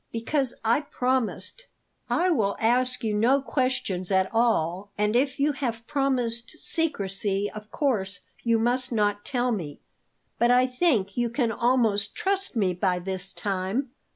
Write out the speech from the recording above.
Because I promised " "I will ask you no questions at all, and if you have promised secrecy of course you must not tell me; but I think you can almost trust me by this time."